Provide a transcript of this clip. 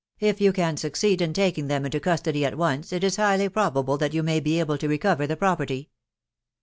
" If you can succeed in taking them into custody at once, it is highly probable that you may be able f» recover the property."